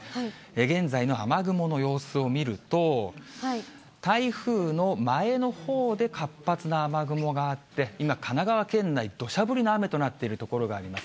現在の雨雲の様子を見ると、台風の前のほうで活発な雨雲があって、今、神奈川県内、どしゃ降りの雨となっている所があります。